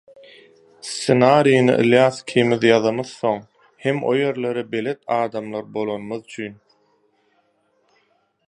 Ssenarini Ylýas ikimiz ýazamyzsoň, hem o ýerlere belet adamlar bolanymyz üçin